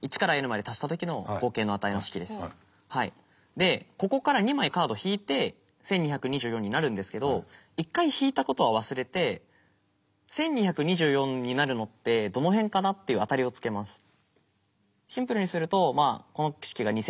でここから２枚カード引いて１，２２４になるんですけど１回引いたことは忘れて１，２２４になるのってどの辺かなっていうシンプルにするとこの式が２，４４８。